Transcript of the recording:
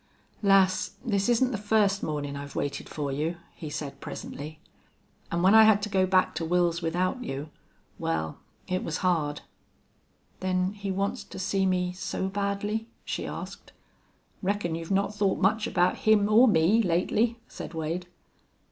"Lass, this isn't the first mornin' I've waited for you," he said, presently. "An' when I had to go back to Wils without you well, it was hard." "Then he wants to see me so badly?" she asked. "Reckon you've not thought much about him or me lately," said Wade.